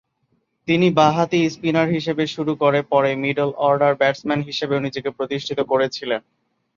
তিনি বাঁহাতি স্পিনার হিসেবে শুরু করে পরে মিডল-অর্ডার ব্যাটসম্যান হিসেবেও নিজেকে প্রতিষ্ঠিত করেছিলেন।